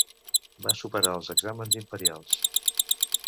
Va superar els exàmens imperials.